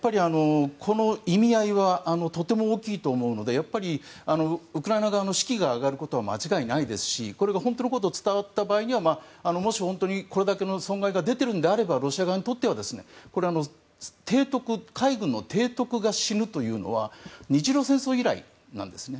この意味合いはとても大きいと思うのでウクライナ側の士気が上がることは間違いないですしこれが本当のことが伝わった場合にはもしこれだけの損害が出ているのであればロシア側にとっては海軍の提督が死ぬというのは日露戦争以来なんですね。